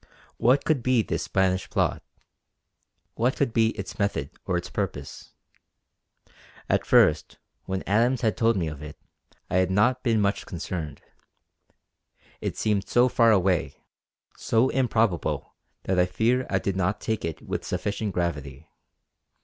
What could be this Spanish plot; what could be its method or its purpose? At first when Adams had told me of it, I had not been much concerned; it seemed so far away, so improbable, that I fear I did not take it with sufficient gravity.